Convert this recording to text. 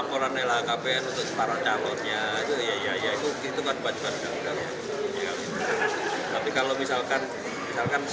kalau pencegahan pelaporan lhkpn untuk para calonnya itu kan baju baju udang udang